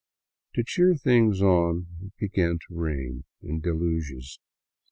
To cheer things on, it began to rain in deluges.